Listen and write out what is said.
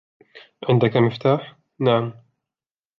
عندك مفتاح؟ "نعم."